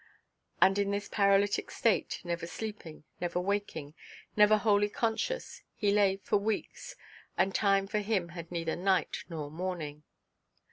And in this paralytic state, never sleeping, never waking, never wholly conscious, he lay for weeks; and time for him had neither night nor morning.